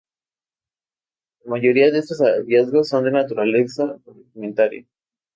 La mayoría de estos hallazgos son de naturaleza fragmentaria.